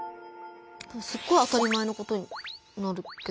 すごい当たり前のことになるけど。